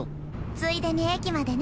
ついでに駅までね。